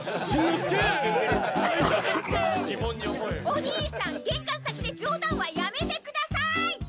お兄さん、玄関先で冗談はやめてくださーい！